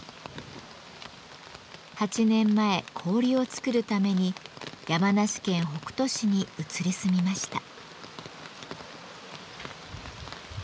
８年前氷を作るために山梨県北杜市に移り住みました。